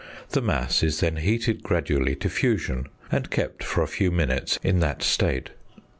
The mass is then heated gradually to fusion, and kept for a few minutes in that state.